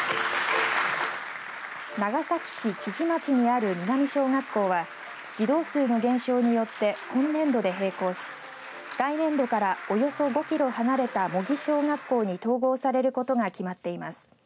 長崎市千々町にある南小学校は児童数の減少によって今年度で閉校し来年度からおよそ５キロ離れた茂木小学校に統合されることが決まっています。